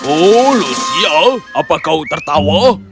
oh lucia apa kau tertawa